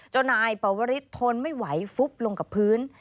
เจ้านายปวริสทนไม่ไหวฟุบลงกับพื้น